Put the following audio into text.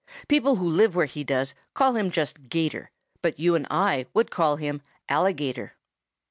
People who live where he does call him just 'Gator, but you and I would call him Alligator.